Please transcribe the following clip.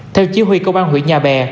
theo chiêu huy công an huyện nhà bè